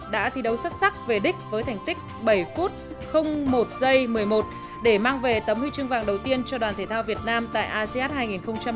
đã thi đấu xuất sắc về đích với thành tích bảy một mươi một để mang về tấm huy chương vàng đầu tiên cho đoàn thể thao việt nam tại asean hai nghìn một mươi tám